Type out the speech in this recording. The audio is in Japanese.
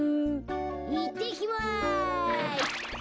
いってきます。